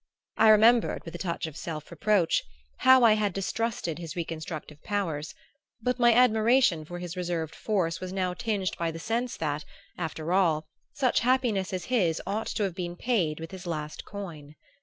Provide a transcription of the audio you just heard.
I remembered, with a touch of self reproach, how I had distrusted his reconstructive powers; but my admiration for his reserved force was now tinged by the sense that, after all, such happiness as his ought to have been paid with his last coin.